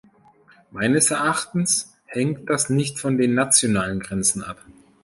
Meines Erachtens hängt das nicht von den nationalen Grenzen ab.